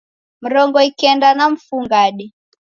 Mrongo ikenda na mfungade